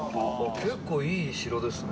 結構いい城ですね。